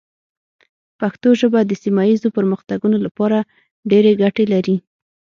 پښتو ژبه د سیمه ایزو پرمختګونو لپاره ډېرې ګټې لري.